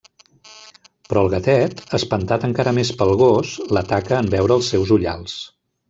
Però el gatet, espantat encara més pel gos, l'ataca en veure els seus ullals.